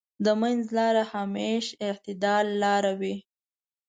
د منځ لاره همېش د اعتدال لاره وي.